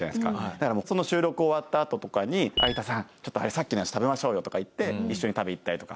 だからもうその収録終わったあととかに「有田さんちょっとさっきのやつ食べましょうよ」とか言って一緒に食べに行ったりとか。